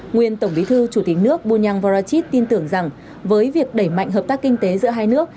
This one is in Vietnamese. nguyên tổng bí thư chủ tịch nước bunyang vorachit tin tưởng rằng với việc đẩy mạnh hợp tác kinh tế giữa hai nước